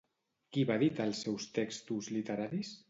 Qui va editar els seus textos literaris?